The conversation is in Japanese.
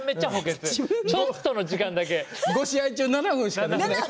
５試合７分しか出てない。